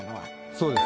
そうです。